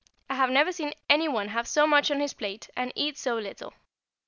I have never seen any one have so much on his plate and eat so little.